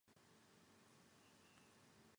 便于阅读